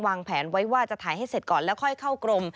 วางแผนไว้ว่าจะถ่ายให้เสร็จก่อนแล้วค่อยเข้ากรม